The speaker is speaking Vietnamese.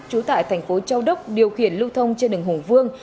trú tại thành phố châu đốc điều khiển lưu thông trên đường hùng vương